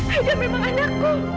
aida memang anakku